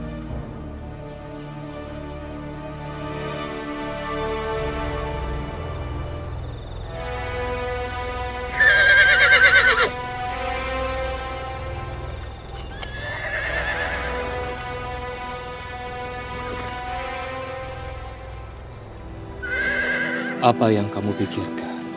dan menyelepaskan kembali kembali kembali untuk memahami